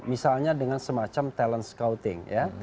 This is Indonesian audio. misalnya dengan semacam talent scouting ya